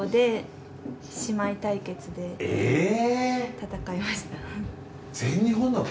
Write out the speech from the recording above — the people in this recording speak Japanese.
戦いました。